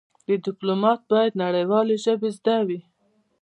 د ډيپلومات بايد نړېوالې ژبې زده وي.